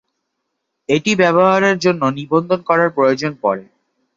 এটি ব্যবহারের জন্য নিবন্ধন করার প্রয়োজন পড়ে।